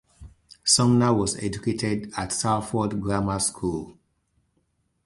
Sumner was educated at Salford Grammar School.